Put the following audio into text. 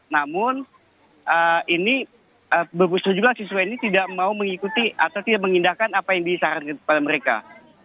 namun ini berpustul juga siswa ini tidak mau mengikuti atau tidak mengindahkan apa yang disediakan